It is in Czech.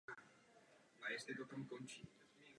S tancem začala ve čtyřech letech.